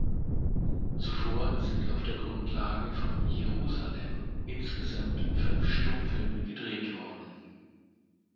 Zuvor sind auf der Grundlage von "Jerusalem" insgesamt fünf Stummfilme gedreht worden.